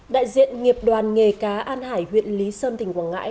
đại diện nghiệp đoàn nghề cá an hải huyện lý sơn tỉnh quảng ngãi